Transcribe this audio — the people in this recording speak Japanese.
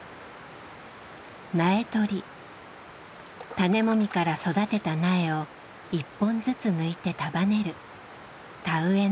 種もみから育てた苗を１本ずつ抜いて束ねる田植えの準備。